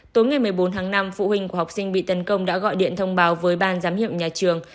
tối ngày một mươi bốn tháng năm phụ huynh của học sinh bị tấn công đã gọi điện thông báo với ban giám hiệu nhà trường